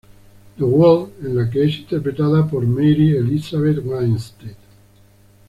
The World", en la que es interpretada por Mary Elizabeth Winstead.